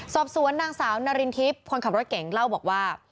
สอบสวนนางสาวนารินทิพย์คนขับรถเก่งเล่าบอกว่า